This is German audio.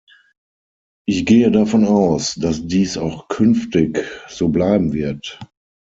Ich gehe davon aus, dass dies auch künftig so bleiben wird.